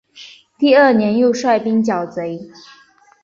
第二年又率兵剿贼。